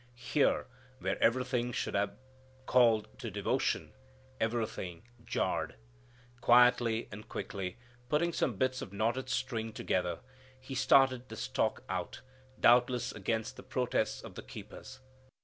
Here, where everything should have called to devotion, everything jarred. Quietly and quickly putting some bits of knotted string together, He started the stock out, doubtless against the protests of the keepers.